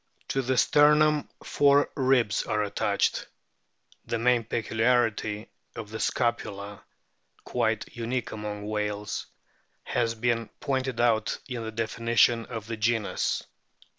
To the sternum four ribs are attached. The main peculiarity of the scapula (quite unique among whales) has been pointed out in the definition of the genus.